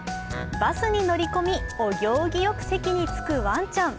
バスに乗り込み、お行儀良く席につくワンちゃん。